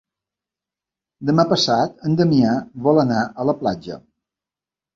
Demà passat en Damià vol anar a la platja.